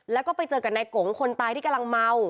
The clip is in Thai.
แล้วก็ไปเจอกับนายกงคนตายที่กำลังเมา